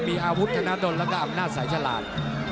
มีอาวุธธนาดลแล้วก็อำนาจสายฉลาด